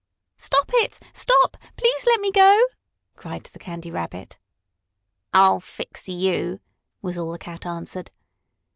"Stop it! Stop! Please let me go!" cried the Candy Rabbit. "I'll fix you!" was all the cat answered.